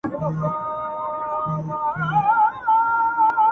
د هايبريډيټي حالت رامنځته کول